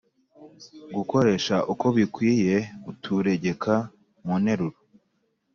gukoresha uko bikwiye uturegeka mu nteruro.